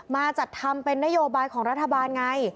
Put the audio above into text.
มาจัดทำเป็นนโยบายของรัฐบาลไง